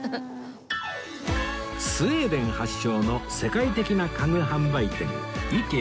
スウェーデン発祥の世界的な家具販売店 ＩＫＥＡ